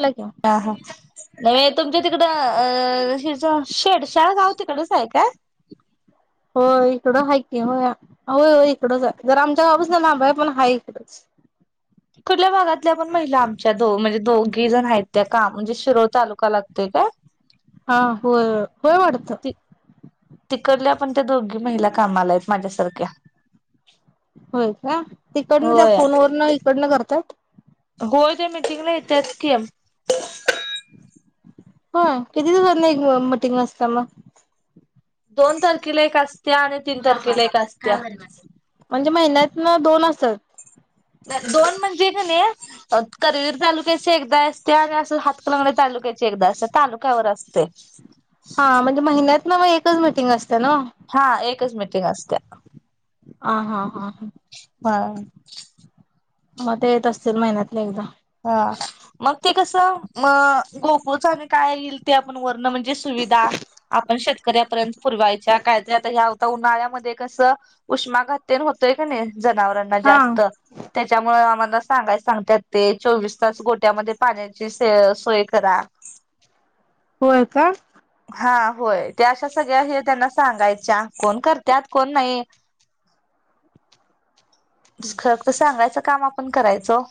ला क हा हा तुमच्या तिकडं अ शेडशाळा गाव तिकडच आहे काय होय इकडं आहेाक आहे हो होय हो इकडंच आहे जर आमच्या गावच ना ना बा आहे पण हा इकडच कुठल्या भागातल्या पण महिला आमच्या दो म्हणजे दोघी जण आहेत त्या काम म्हणजे शिरोर तालुका लागते का हा हो होय वाडत त तिकडल्या पण त्या दोघी महिला कामाला आहेत माझ्यासारख्या होय का तिकडनं त्या होय फोन वन इकडनं करतात हो त्या मीटिंगला येतत की हो किती दिवसांना एक मटिंग वा असता मग दोन तारखेला एक असत्या आणि तीन तारखेला एक असत्या म्हणजे महिन्यात ना दोन असतं दोन म्हणजे का नाही. करवीर तालुक्याचे एकदा असते आणि असं हातकलंगड तालुक्याचे एकदा असते तालुक्यावर असते. हा म्हणजे महिन्यात ना मग एकच मिीटिंग असतें ना हा एकच मिीटिंग असते ह हा हा हा हा मग ते येत असतील महिन्यातले एकदा हा मग ते कसं गोपोच आणि काय येईल ते आपण वर्ण म्हणजे सुविधा आपण शेतकऱ्यापर्यंत पुरवायच्या काहीतरी आता ह होता उन्हाळ्यामध्ये कस उष्माघातीन होतोय का नाही जनावरांना हा जास्त त्याच्यामुळे आम्हाला सांगाय सांगत ते चोवीस तास गोट्यामध्ये पाण्याची सोय करा होय का हा होय त्या अशा सगळ्या हे त्यांना सांगायच्या कोण करतत कोण नाही खरं तर सांगायचं काम आपण करायचो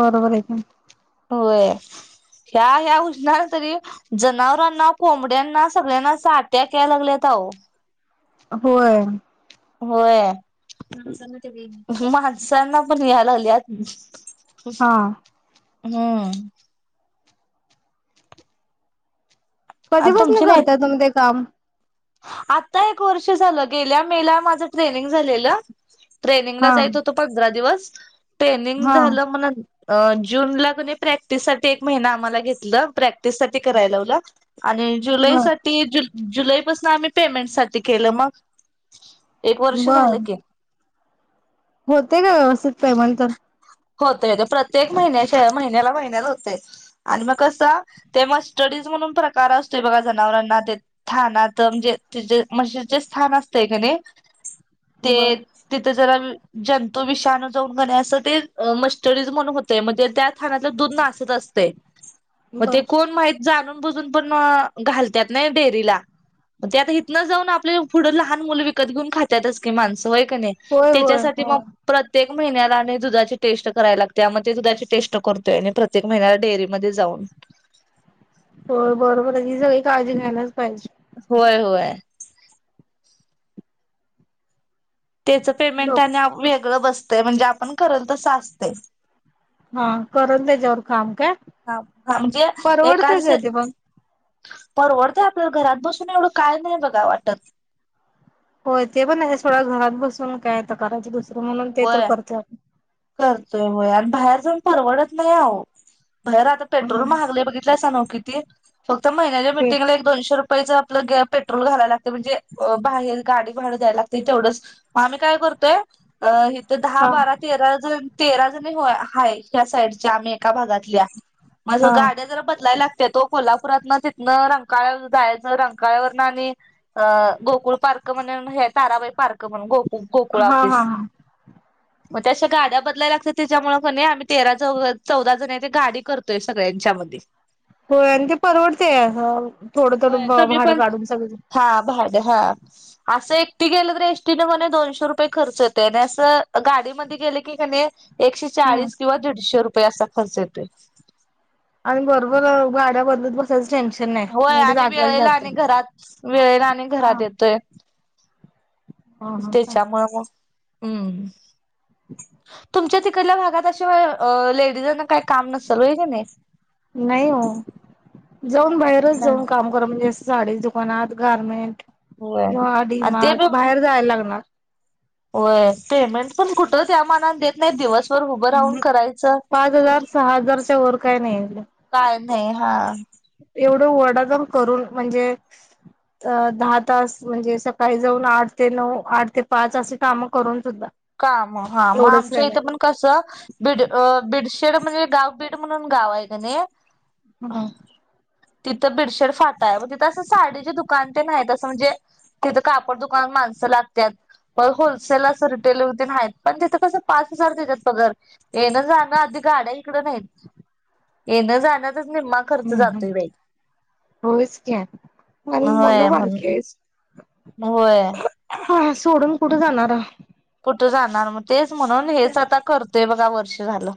बरोबर आहेम होय ह्या ह्या उष्णार तरी जनावरांना कोंबड्यांना सगळ्यांना साट्या यायला लागल्यातह होय होयण माणसांना पण या्यायला लागली आत हा हम्म तुमची कधीपसून नाहीत करताय तुम्ही ते काम आता एक वर्ष झालं गेल्या मेला माझं ट्रेनिंग झालेलं ट्रेनिंगला हा जायच होत पंधरा दिवस ट्रेनिंग हा झालं म्हण अ जून ला कणी प्रॅक्टिस साठी एक महिना आम्हाला घेतलं प्रॅ साठी कराय लावला आणि जुलै बर साठी जुलैपून आम्ही पेमेंट साठी केलं मग एक वर्ष झालं बर की होते का व्यवस्थित पमल तर होते होते प्रत्येक महिन्याच्या महिन्याला महिन्यात होते आणि मग कसं ते म्हा स्टडीज म्हणून प्रकार असतो बघा जनावरांना ते स्थानात म्हणजे ते म्हण जे स्थान असतंय का नाही [inaudible] ते तिथं जरा जंतू विषाणू जाऊन गणे असं ते मस्टर्डीज म्हणून त्यााण्यात दत असते बर मण मा जाणून बजून पण. घालत्यात नाही डेअरीला ते आता इथनं जाऊन आपले पुढं लहान मुलं विकत घेऊन खात्यातच की माणसं व्हय का नाही होय होय त्याच्यासाठी होय मग प्रत्येक महिन्याला आणि दुधाची टेस्ट कराय लागत्या मग दुधाची टेस्ट करतोय मी प्रत्येक महिन्याला डेअरीमध्ये जाऊन होय बरोबर आहे ही सगळी काळजी घ्यायलाच पाहिजे होय होय त्याच पेमेंट लोक आणि वेगळं बसतं म्हणजे आपण करल तस असतयं हा करल त्याच्यावर काम काय हा हा म्हणजे एकाद परवडतय दुसरं काय ते पण परवडतं आपल्याला घरात बसून एवढं काय नाही बघा वाटत होय ते पण आहे सोडा घरात बसून काय आता करायचे दुसरं म्हणून ते तर व्हय करतोय आपण करतोय होय आणि बाहेर जाऊन परवडत नाही आहो बाहेर आता पेट्रोल हम्म महागलय बघीतल ट्रेस हाय ना ओ किती फक्त महिन्याच्या मिटंगला एकदा दोनशे रुपयाच आपलं ग पेट्रोल घालायला लागते म्हणजे बाहेर गाडी भाडं द्यायला लागतय तेवढंच मग आम्ही काय करतोय अ इथं दहा हा बारा तेरा जण तेरा जण हो हा ह्या साईडच्या आम्ही एका भागातल्या माझं हा गाड्या जरा बला लागत ते तो कोल्हापुरात ना तिथनं रंगळ जायचं रंगकाळ्यावरन आणि अ गोकुळ पार्क म्हण हे ताराबाई पार्क म्हणून गोकु गोकुळ हा हा ऑफिस हा मग ते अशा गाड्या बदलाय लागत्यात त्याच्यामुळं कनई आम्ही तेरा चौ चौदा जण आहे तेे गाडी करतोय सगळ्यांच्यामध्ये होय आणि ते परवडते ह थोडं थोडं भाडं काढून सगळीजन हा हा भाडं हा असं एकटी गेलं तर एसटी न म्हणे दोनशे रुपये खर्च येत त्याने असं गाडीमध्ये गेलं की कणी एकशे हम्म चाळीस किंवा दीडशे रुपये असा खर्च येतोय आणि बरोबर गाड्या बदलत बसत उगच टेन्शन नाही होय नीट आणि जाग्याला वेळेला आणि जातय घरात वेळेला आणि घरात हा येतोय हा हा त्याच्यामुळे मग हम् तुमच्यात एक तिथल्या भागात अस लेडीजांना काही काम नसेल होय कि नाही नाही हो जाऊन बाहेरच जाऊन काम खर म्हणजे साडी दुकानात गारमेंट होय किंवा डी आणि ते मार्ट पण बाहेर जायला लागणार होय पेमेंट पण कुठं त्या मनानं देत नाहीत दिवसभर उभं राहून हम्म, करायचं पाच हजार सहा हजारच्या वर काय नाही काय नाही हा एवढं वडाताण करून म्हणजे अ दहा तास म्हणजे सकाळी जाऊन आठ ते नऊ आठ ते पाच असं कामं करून सुद्धा काम हा मग एवढंच आमच्या इथं पेमेंट पण कसं बिड बीडशेड म्हणजे गाव बीड म्हणून गाव आहे का नाही हम्म तिथं बिडशेड फाटा आहे मग तिथं असं साडीचे दुकान तेन आहेत असं म्हणजे तिथ कापड दुकानात माणसं लागत्यात परत होलसेल असेल रि टेलर तेण आहेत पण तिथं कसं पाच हजार देत्यात पगार येन जाणं आधी गाड्या इकडं नाहीत येन जान्यातच निम्मा खर्च हम् हम् जातोय बाई होयच कि आणि होय मुलं म्हण बारकी आहेत होय हा सोडून कुठे जाणारा कुठं जाणार मग तेच म्हणून हेच आता करतोय बघा वर्ष झालं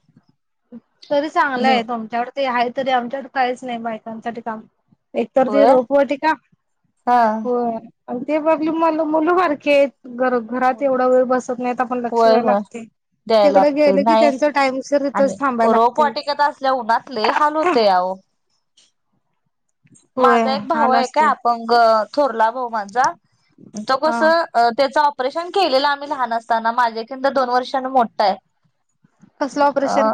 तरी चांगलं आहे तुमच्याकड ते आहे तरी आमच्याकड काहीच नाही बायकांसाठी काम एक तर ती होय रोपवाटीका हा होय आणि ते बगले मधली मुलं बारकी आहेत घरात घरात एवढा होय वेळ बसत नाही तर आपण लक्ष द्यायला होय लागते द्याय तिकडे लागतय गेलं की नाही त्यांचा टाइम शीरी तस आणि रोप वाटिकेत असल्या उन्हातले हाल होते. या होय माझा एक भाऊ आला एकय असते आपंग थोरला भाऊ माझा तो हा कस त्याचं ऑपरेशन केलेलं आम्ही लहान असताना माझ्याकिंद दोन वर्षांनी मोठा आहे कसलं हा ऑपरेशन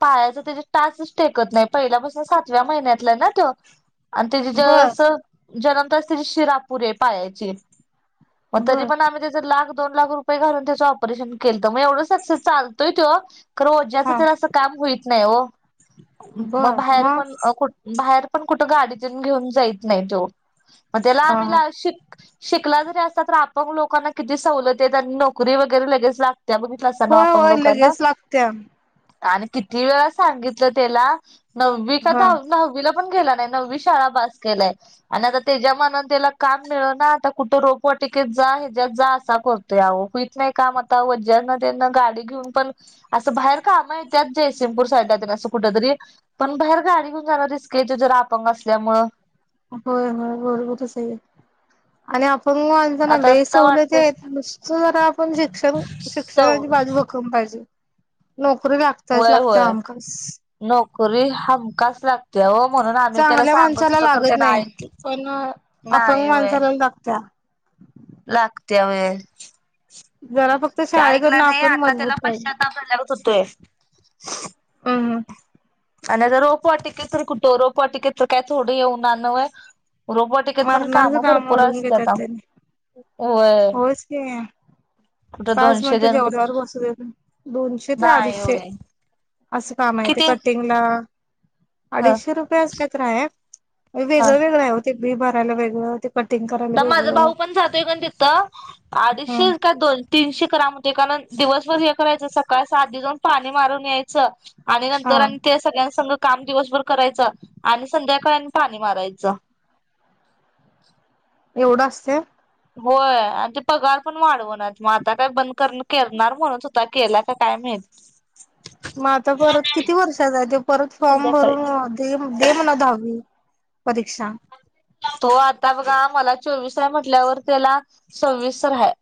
पायाचा त्याचा टासच टेकत नाही पहिल्यापासून सातव्या महिन्यातलं ना तो आणि त्या बर जस जन्म तरस त्याची शिरा अपुरी पायाची मग तरी बर पण आम्ही त्याच लाख दोन लाख रुपय घालून त्याच परेन केल मग एवढं सक्सेस चालतय त हा वच काम होत नाही म बर बाहेर मग पण बा पण कुठे गाडीतून घेऊन जायत नाही तो मग त्याला अ आम्हीलािक शिकला जरी असता तर आपण लोकांना किती सवलत येत आणि नोकरी वगैरे लगेच लाग त्यामध्ये कस ना होय आपण होय लोक ना लगेच लागत्या आणि किती वेळा सांगितलं त्याला नववी का हा दहा नववीला पण गेला नववी शाळा पास केल्या आणि आता त्याच्या म्हणून त्याला काम मिळ ना आता कुठं रोपवाटिकेत जा ह्याच्या्यात जा असा करण यावं होईत नाही काम आता व ज्यांना त्यांना गाडी घेऊन पण असं बाहेर कामं येत्यात जयसिंगपूर साईडाला तेन असं कुठ तरी पण बाहेर गाडी घेऊन जायला रिस्क येतय जरा आपंग असल्यामुळे होय होय बरोबरच आहे आणि अपंग आण म्हणून आता म्हणले हे आता सोनेच वाटतय आहे जर आपण शिक्षण सव शिक्षणाची ची बाजू बघ कम पाहिजे नोकरी लागते. होय होय नोकरी हमखास लागते. चांगल्या माणसाला लागत त्यानं नाही ऐक पण नाही अफंग माणसाला लागत्या. ह लागतिया व्हय जरा फक्त ते ऐकला शाळेकडनं नाही आपण आता मजबूत त्याला पाहिजे पश्चाताताप भलावत होतोय. हम्म आणि आता रोपवाटिके तर कुठं रोपवाटिकेट तर काय थोड येऊनन आहे. रोपवाटिकेत पण मरणाचं कामं काम भरपूर ओढवून असते घेतात आता वय ते पाच मिनटं जण कुठ जेवढ्यावर बसू दे दोनशे ते नाही आठशे होय असं का माहती किती कटिंगला ह अडीचशे रुपये असले तर आहे. ह वेगळं वेगळं आहे होते बी भरायला वेगळं ते कटिंग कराय तर माझं भाऊ पण जातोय काण तिथं अडीचशे हम्म का दोन तीनशे कराम होते कारण दिवसभर हे करायचं सकाळ स आध जाऊन पाणी मारून यायचं. आणि हा नंतर आणि ते सगळ्यां संग काम दिवसभर करायचं आणि संध्याकाळ आणि पाणी मारायचं एवढं असते. होय आणि ते पगार पण वाढवणार मग आता काय बंद कर करणार म्हणून स्वतः केला का काय माहित. मग आता परत किती वर्षातचाय ते परत फॉर्म संध्याकाळी भरून दे म्हणा दहावी परीक्षा तो आता बघा मला चोवीस रा आहे म्हटल्यावर त्याला सववीस तर आहे.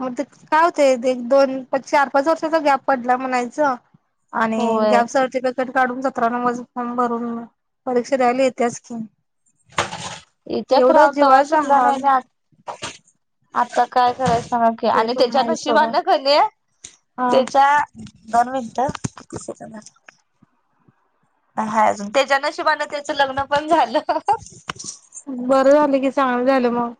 मग ते काय होते एक दोन चार पाच वर्षाचा गॅप पडला म्हणायचं. आणि होय गॅपसवरती तिकट काढून सतरा नंबर च फॉर्म भरून परीक्षा द्यायला येत्याच की, इथच एवढा रावत जीवाचा शिकला नाही हाल नाही आ आता काय कराय सग ते आणि पण त्याच्या आहे सोडा नशिबाान कणे हा त्याच्या दोन मिनिट किती सेकंद हा अजून त्याच्या नशिवान त्याच लग्न पण झालं. बरं झालं की चांगलं झालं मग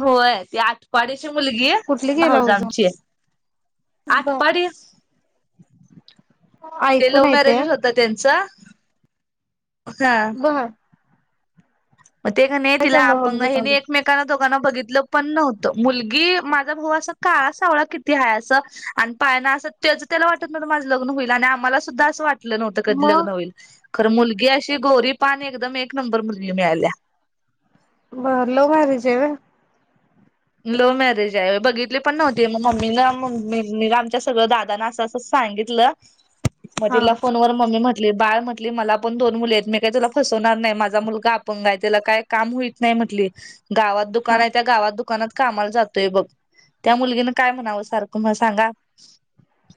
होय ते आ पाडीची मुलगी कुठली गेला होज भाऊजमची बर आठपाडी ते ऐकून लव्ह येते मॅरेजच होता त्यांचा हा ह मग ते का नाही काय तिला मग आपणंग मुलगी हे नाही चांगली एकमेक दोघांना बघितलं पण नव्हतं मुलगी माझा भाऊ अस काळा सावळा किती आहे असं आणि पायाना असं त्याच त्याला वाटत माझं लग्न होईल आणि आम्हाला सुद्धा असं वाटत. लं नव्हतं कधी मग लग्न होईल खर मुलगी अशी गोरी पाणी एकदम एक नंबर मुलगी मिळाल्या. भल बारीच व [inaudible] मग हा तिला फोन ववर मम्मी म्हटली बाळ म्हटली. म्हट मला पण दोन मुली आहेत मी काही तुला फसवणार नाही माझा मुलगा अपणंग आहे त्याला काय काम होईत नाही म्हटली. गावात दुकान हा आहे त्या गावात द दुकानात कामाला जातोय बघ त्या मुलगीने काय म्हणावं सारखं म सांगा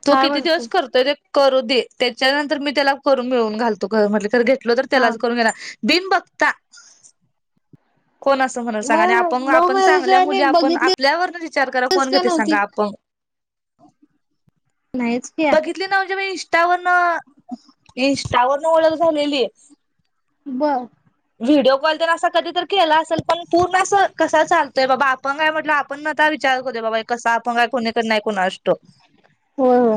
तो काय किती म्हणतो दिवस करतोय ते करू दे त्याच्यानंतर मी त्याला करून मिळून घालतो घर म्हटलं तर घेत हा त्यालाच करून घे भि बक्ता कोण म्हण सांगा आणि आप मग लव्ह आपण मॅरेज चांगल्या आणि मुली आपण बघितलीच आपल्यावर विचार करा कोण का घेते सांगा नव्हती आपण नाहीच की बघितली ना म्हणजे इंस्टा ववरन इंस्टावररन ओळख झालेली बरं व्हिडीिओ कॉल तर अस कधी तर केला असेल पण पूर्ण असं कस चालत बाबा आपण काय म्हटलं आपण न आता विचार करू दे बाबा कसं आपण काय कोणीक नाही कोणा असतो हो हो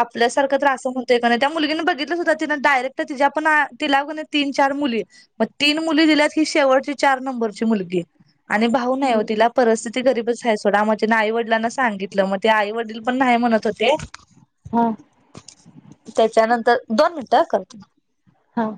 आपल्यासारखं त्रास होतय का ना त्या मुलीींनी बघितलं सुद्धा तिं डायरेक्ट तिच्या पण त लाव तीन चार मुली मग तीन मुली दिल्यात ही शेवटची चार नंबरची मुलगी आणि भाऊ नाही हो होय तिला परिस्थिती गरीबच आहे सोडा मग त्यािने आई वडिलांना सांगितलं मग ते आई वडील पण नाही म्हणत होते हां त्याच्यानंतर दोन मिनिटं करत हा